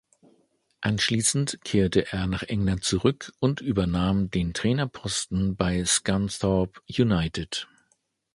Anschließend kehrte er nach England zurück und übernahm den Trainerposten bei Scunthorpe United.